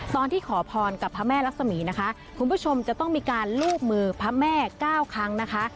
ตอนที่ขอพรกับพระแม่รักษมีนะคะคุณผู้ชมจะต้องมีการลูบมือพระแม่๙ครั้งนะคะ